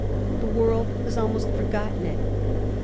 The world has almost forgotten it.